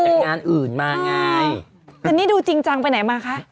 แต่นี่ดูจริงจังไปไหนมาคะ